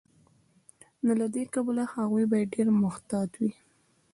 نو له دې کبله هغوی باید ډیر محتاط وي.